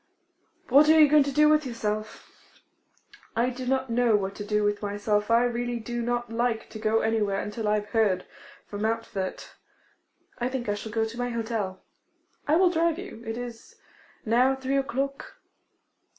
What are you going to do with yourself?' 'I do not know what to do with myself. I really do not like to go anywhere until I have heard from Montfort. I think I shall go to my hotel' 'I will drive you. It is now three o'clock.